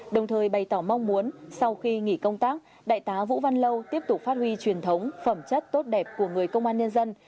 đồng thời bày tỏ mong muốn sau khi nghỉ công tác đại tá vũ văn lâu tiếp tục phát huy truyền thống phẩm chất tốt đẹp của người công an nhân dân